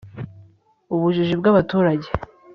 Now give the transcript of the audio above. ubujiji bw'abaturage